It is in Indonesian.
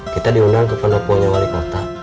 kita diundang ke penoponya wali kota